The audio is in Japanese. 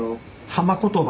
浜言葉。